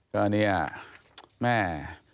ก็เนี่ยแม่